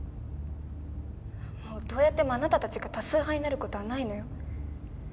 もうどうやってもあなたたちが多数派になる事はないのよ。